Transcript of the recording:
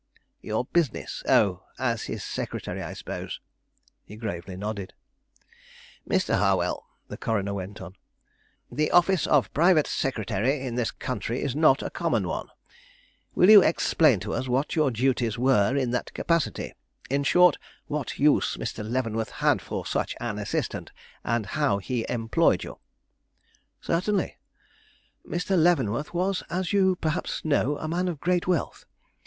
"Your business? Oh, as his secretary, I suppose?" He gravely nodded. "Mr. Harwell," the coroner went on, "the office of private secretary in this country is not a common one. Will you explain to us what your duties were in that capacity; in short, what use Mr. Leavenworth had for such an assistant and how he employed you?" "Certainly. Mr. Leavenworth was, as you perhaps know, a man of great wealth.